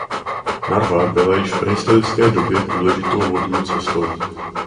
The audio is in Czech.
Narva byla již v prehistorické době důležitou vodní cestou.